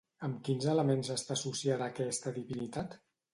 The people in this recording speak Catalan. Amb quins elements està associada aquesta divinitat?